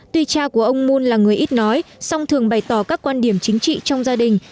tuy cha của ông moon là người ít nói song thường bày tỏ các quan điểm chính trị trong gia đình